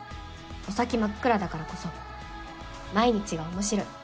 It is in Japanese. お先真っ暗だからこそ毎日が面白い。